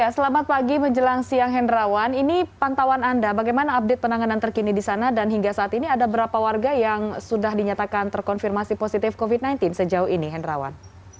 selamat pagi menjelang siang hendrawan ini pantauan anda bagaimana update penanganan terkini di sana dan hingga saat ini ada berapa warga yang sudah dinyatakan terkonfirmasi positif covid sembilan belas sejauh ini hendrawan